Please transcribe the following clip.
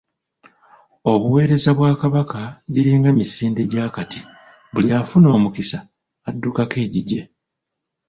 Obuweereza bwa Kabaka giringa misinde gy'akati, buli afuna omukisa addukako egigye.